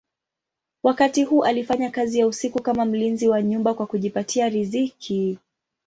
Wakati huu alifanya kazi ya usiku kama mlinzi wa nyumba kwa kujipatia riziki.